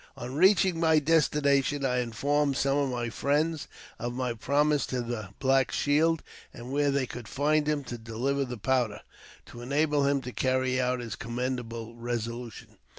On reaching my destination, I informed some of my friends of my promise to the Black Shield, and where they could find him to deliver the powder, to enable him to carry out his commendable resolution.